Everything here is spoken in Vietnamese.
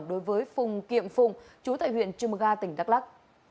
đối với phùng kiệm phùng chú tại huyện chumga tỉnh đắk lắc